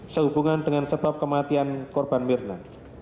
sehubungan dengan sebab kematian korban mirna